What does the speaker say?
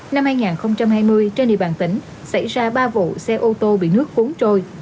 năm hai nghìn hai mươi trên địa bàn tỉnh xảy ra ba vụ xe ô tô bị nước cuốn trôi